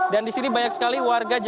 dan di sini banyak sekali warga jakarta